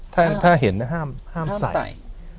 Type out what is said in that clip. ถ้าเห็นห้ามใส่